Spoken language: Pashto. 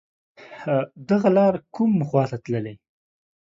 دغه لار کوم خواته تللی